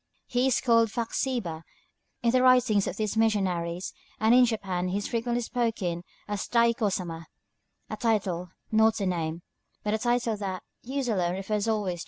He is called Faxiba in the writings of these missionaries, and in Japan he is frequently spoken of as Taiko Sama, a title, not a name; but a title that, used alone, refers always to him.